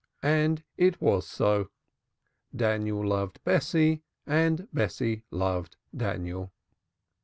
And it was so. Daniel loved Bessie, and Bessie loved Daniel.